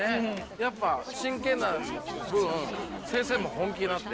やっぱ真剣な分先生も本気になって今回。